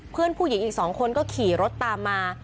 เพื่อนผู้หญิงอีก๒คนก็ขี่รถตามมา